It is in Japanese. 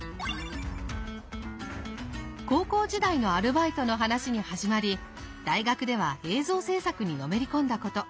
高校時代のアルバイトの話に始まり大学では映像制作にのめり込んだこと。